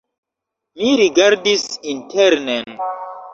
Mi rigardis internen.